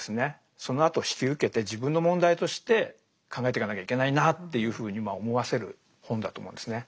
そのあとを引き受けて自分の問題として考えていかなきゃいけないなっていうふうに思わせる本だと思うんですね。